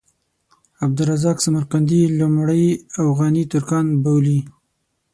عبدالرزاق سمرقندي لومړی اوغاني ترکان بولي.